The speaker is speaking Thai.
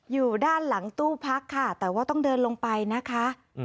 อยู่ด้านหลังตู้พักค่ะแต่ว่าต้องเดินลงไปนะคะ